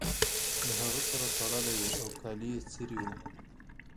د هغه سر تړلی و او کالي یې څیرې وو